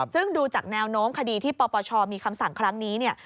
ซึ่งดูจากแนวโน้มคดีที่ปปชมีคำสั่งครั้งนี้เนี่ย